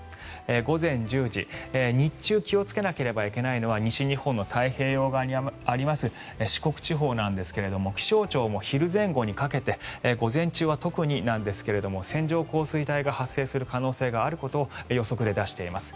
午前１０時、日中気をつけなければいけないのは西日本の太平洋側にあります四国地方なんですが気象庁も昼前後にかけて午前中は特になんですが線状降水帯が発生する可能性があることを予測で出しています。